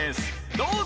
どうぞ。